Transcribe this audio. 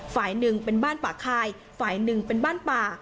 ฝ่ายหนึ่งเป็นบ้านป่าคายฝ่ายหนึ่งเป็นบ้านป่า